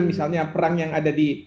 misalnya perang yang ada di